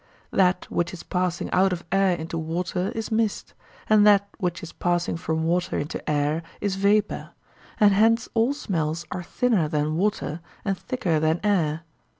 That which is passing out of air into water is mist, and that which is passing from water into air is vapour; and hence all smells are thinner than water and thicker than air.